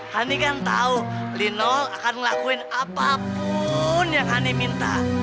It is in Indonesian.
honey kan tau lino akan ngelakuin apapun yang honey minta